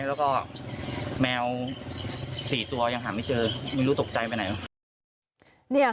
แล้วก็แมว๔ตัวยังหาไม่เจอไม่รู้ตกใจไปไหนเนอะ